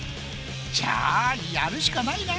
じゃあやるしかないな！